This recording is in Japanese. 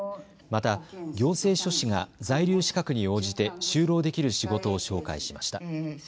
また行政書士が在留資格に応じて就労できる仕事を紹介しました。